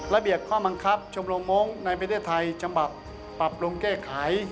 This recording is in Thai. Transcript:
ระเบียบข้อบังคับชมรมมงค์ในประเทศไทยฉบับปรับปรุงแก้ไข